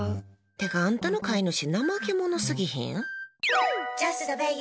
てか、あんたの飼い主怠け者すぎひん？